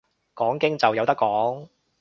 講經就有得講